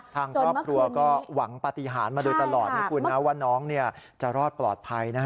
ทางครอบครัวก็หวังปฏิหารมาโดยตลอดนะคุณนะว่าน้องจะรอดปลอดภัยนะฮะ